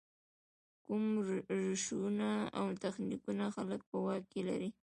کوم روشونه او تخنیکونه خلک په واک کې لري.